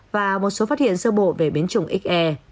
và một số phát hiện sơ bộ về biến chủng xe